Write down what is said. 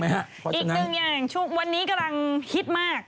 อีกหนึ่งอย่างวันนี้กำลังฮิตมาก